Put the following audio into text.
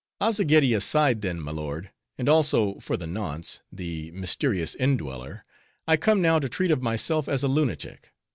"Azzageddi aside, then, my lord, and also, for the nonce, the mysterious indweller, I come now to treat of myself as a lunatic.